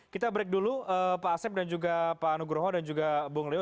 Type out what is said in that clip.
kita break dulu pak asep dan juga pak anugroho dan juga bu ngelio